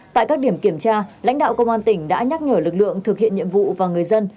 tại các điểm kiểm tra lãnh đạo công an tỉnh đã nhắc nhở lực lượng thực hiện nhiệm vụ và người dân